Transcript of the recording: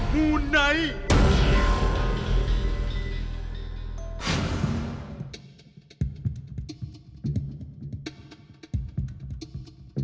มูไนท์